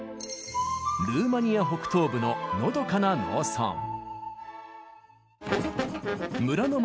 ルーマニア北東部ののどかな農村。